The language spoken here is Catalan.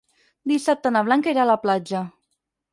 Dissabte na Blanca irà a la platja.